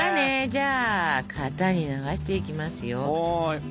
じゃあ型に流していきますよ。